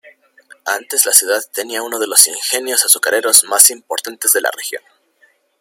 Antes la ciudad tenía uno de los ingenios azucareros más importantes de la región.